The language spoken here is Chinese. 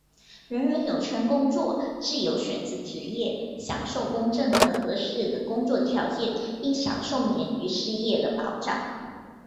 人人有权工作、自由选择职业、享受公正和合适的工作条件并享受免于失业的保障。